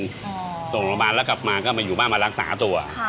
ส่งโรงพยาบาลแล้วกลับมาก็มาอยู่บ้านมารักษาตัว